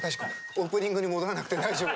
オープニングに戻らなくて大丈夫。